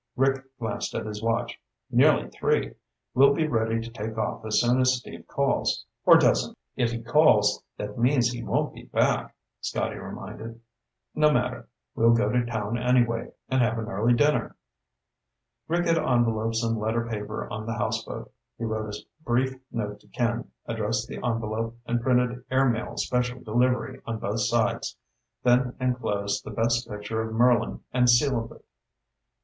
Rick glanced at his watch. "Nearly three. We'll be ready to take off as soon as Steve calls, or doesn't." "If he calls, that means he won't be back," Scotty reminded. "No matter. We'll go to town anyway, and have an early dinner." Rick had envelopes and letter paper on the houseboat. He wrote a brief note to Ken, addressed the envelope, and printed AIRMAIL SPECIAL DELIVERY on both sides, then enclosed the best picture of Merlin and sealed it.